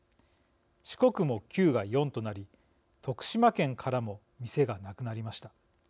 四国も９が４となり徳島県からも店がなくなりました。